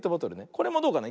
これもどうかな。